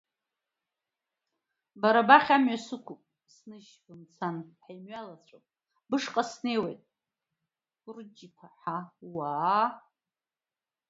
Бара бахь амҩа сықәуп, сныжь, бымцан, ҳаимҩалацәоуп, бышҟа снеиуеит, Кәырыҷ-иԥҳа, уаа!